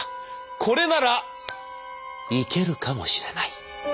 これならいけるかもしれない！